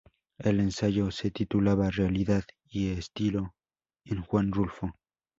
El ensayo se titulaba "Realidad y estilo en Juan Rulfo".